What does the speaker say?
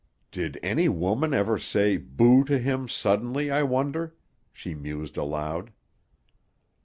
"Did any woman ever say 'Boo!' to him suddenly, I wonder?" she mused aloud.